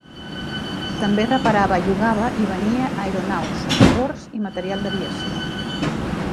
També reparava, llogava i venia aeronaus, motors i material d'aviació.